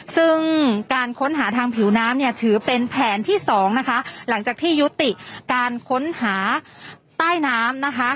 ซึ่งการค้นหาทางผิวน้ำเนี่ยถือเป็นแผนที่สองนะคะหลังจากที่ยุติการค้นหาใต้น้ำนะคะ